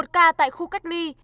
một ca tại khu cách ly